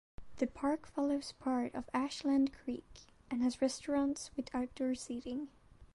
The park follows part of Ashland Creek and has restaurants with outdoor seating.